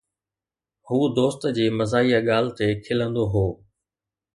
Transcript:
هو دوست جي مزاحيه ڳالهه تي کلندو هو